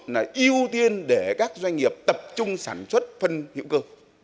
là ưu tiên để các doanh nghiệp tập trung sản xuất phân hữu cơ